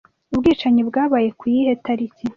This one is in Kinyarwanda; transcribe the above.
Ubwicanyi bwabaye ku yihe tariki